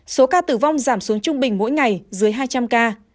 số ca tử vong giảm xuống trung bình mỗi ngày dưới hai trăm linh ca